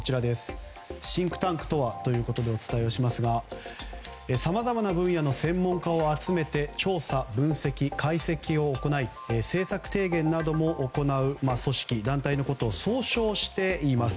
シンクタンクとはということでお伝えしますがさまざまな分野の専門家を集めて調査、分析、解析を行い政策提言なども行う組織、団体のことを総称して言います。